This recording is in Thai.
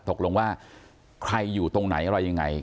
ตกลงว่าใครอยู่ตรงไหนอะไรยังไง